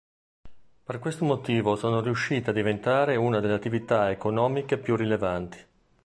Per questo motivo sono riuscite a diventate una delle attività economiche più rilevanti.